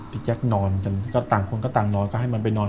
แจ๊คนอนกันก็ต่างคนก็ต่างนอนก็ให้มันไปนอน